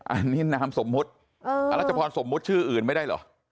อันนี้นามสมมุติอรัชพรสมมุติชื่ออื่นไม่ได้เหรอ